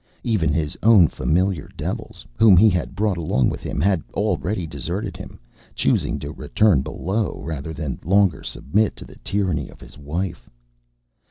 Even his own familiar devils, whom he had brought along with him, had already deserted him, choosing to return below rather than longer submit to the tyranny of his wife.